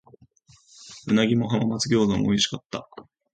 鰻も浜松餃子も美味しかった。